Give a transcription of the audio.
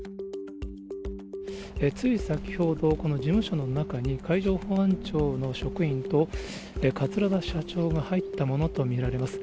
つい先ほど、この事務所の中に、海上保安庁の職員と、桂田社長が入ったものと見られます。